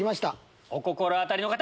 お心当たりの方！